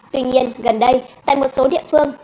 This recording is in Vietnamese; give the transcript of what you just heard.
tuy nhiên gần đây tại một số địa phương